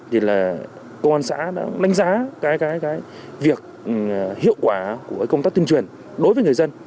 thì là công an xã đã đánh giá cái việc hiệu quả của công tác tuyên truyền đối với người dân